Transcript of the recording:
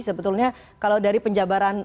sebetulnya kalau dari penjabaran